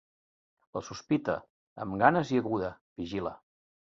La sospita, amb ganes i aguda, vigila.